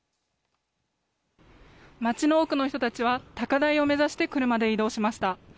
町の多くの人たちは、高台を目指して車で移動しました。